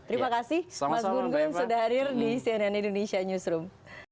terima kasih mas gun gun sudah hadir di cnn indonesia newsroom